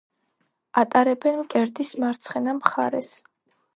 ატარებენ მკერდის მარცხენა მხარეს.